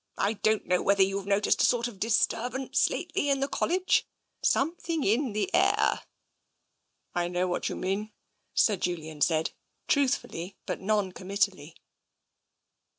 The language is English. I don't know whether you've noticed a sort of disturbance lately in the College — something in the air ?"" I know what you mean," Sir Julian said truthfully, but noncommittally.